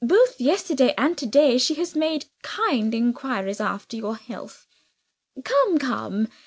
Both yesterday and to day she has made kind inquiries after your health. Come! come!